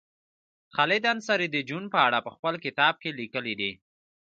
خالد انصاري د جون په اړه په خپل کتاب کې لیکلي دي